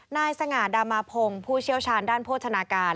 นายสง่าดามาพงศ์ผู้เชี่ยวชาญด้านโภชนาการ